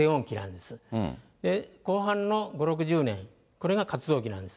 で、後半の５、６０年、これが活動期なんです。